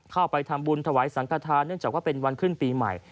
เข้าไปทำบุญถวายสังขทานเนื่องจากว่าเป็นวันขึ้นปีใหม่